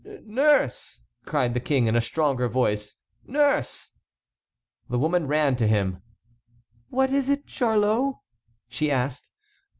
"Nurse!" cried the King, in a stronger voice, "nurse!" The woman ran to him. "What is it, Charlot?" she asked.